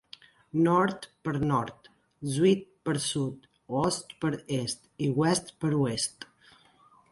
"Noord" per nord, "Zuid" per sud, "Oost" per est i "West" per oest.